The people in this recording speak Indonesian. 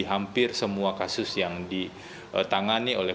hampir semua kasus yang ditangani oleh